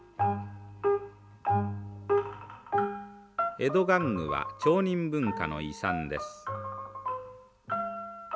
江戸玩具は町人文化の遺産です。